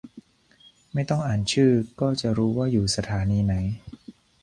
ไม่ต้องอ่านชื่อก็จะรู้ว่าอยู่สถานีไหน